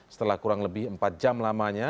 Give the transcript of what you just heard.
setelah kurang lebih empat jam lamanya